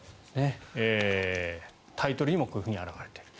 タイトルにもこういうふうに表れている。